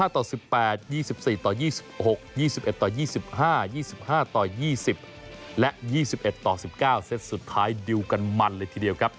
ต่อ๑๘๒๔ต่อ๒๖๒๑ต่อ๒๕๒๕ต่อ๒๐และ๒๑ต่อ๑๙เซตสุดท้ายดิวกันมันเลยทีเดียวครับ